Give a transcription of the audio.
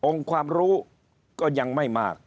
ความรู้ก็ยังไม่มาก